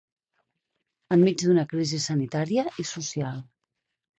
En mig d'una crisis sanitària i social.